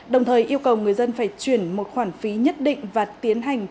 đồng thời yêu cầu người dân phải chuyển một khoản phí nhất định và tiến hành